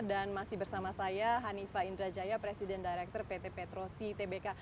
dan masih bersama saya hanifah indrajaya presiden direktur pt petro ctbk